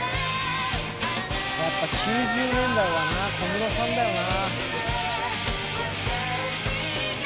やっぱ９０年代はな小室さんだよな。